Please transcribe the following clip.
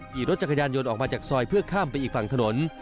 ขี่รถจักรยานยนต์ออกมาจากซอยเพื่อข้ามไปอีกฝั่งถนน